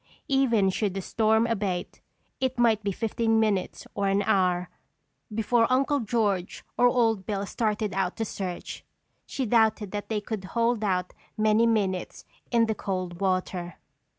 Even should the storm abate, it might be fifteen minutes or an hour before Uncle George or Old Bill started out to search. She doubted that they could hold out many minutes in the cold water.